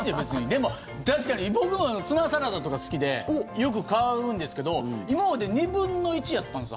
でも確かに僕も、ツナサラダとか好きでよく買うんですけど今まで２分の１やったんすよ。